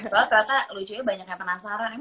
soalnya ternyata lucunya banyak yang penasaran emang